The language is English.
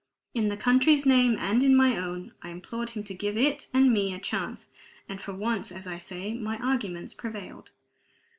In the country's name and in my own, I implored him to give it and me a chance; and for once, as I say, my arguments prevailed.